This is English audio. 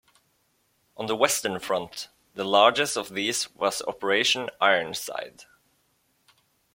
On the Western front the largest of these was Operation Ironside.